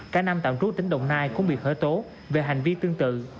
cả năm tạm trú tỉnh đồng nai cũng bị khởi tố về hành vi tương tự